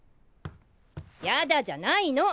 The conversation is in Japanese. やだじゃないの！